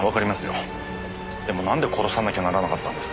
でもなんで殺さなきゃならなかったんです？